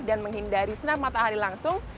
dan menghindari sinar matahari langsung